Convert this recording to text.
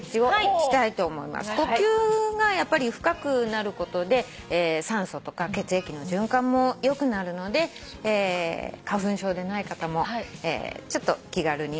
呼吸が深くなることで酸素とか血液の循環も良くなるので花粉症でない方もちょっと気軽にやりましょう。